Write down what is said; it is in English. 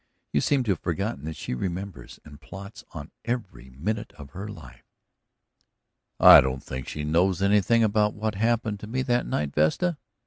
You seem to have forgotten what she remembers and plots on every minute of her life." "I don't think she knows anything about what happened to me that night, Vesta."